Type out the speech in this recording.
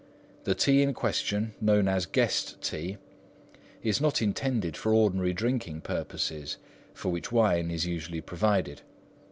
The tea in question, known as guest tea, is not intended for ordinary drinking purposes, for which wine is usually provided.